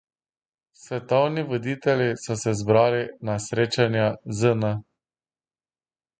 Svetovni voditelji so se zbrali na srečanju ZN.